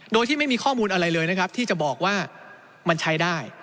โดยที่ไม่มีข้อมูลอะไรเลยนะครับที่จะบอกว่ามันใช้ได้